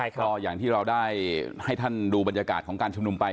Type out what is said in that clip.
ก็อย่างที่เราได้ให้ท่านดูบรรยากาศของการชุมนุมไป